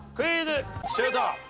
シュート！